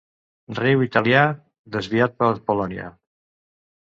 Riu italià desviat per Polònia.